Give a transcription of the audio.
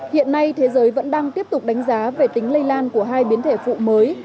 hiện nay thế giới vẫn đang tiếp tục đánh giá về tính lây lan của hai biến thể phụ mới